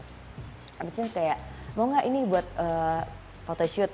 habisnya kayak mau gak ini buat photoshoot